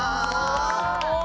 すごい！